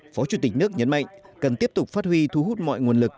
phó chủ tịch nước nhấn mạnh cần tiếp tục phát huy thu hút mọi nguồn lực